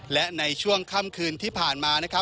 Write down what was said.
และในช่วงค่ำคืนที่ผ่านมา